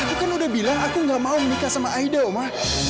aku kan udah bilang aku gak mau menikah sama aida oma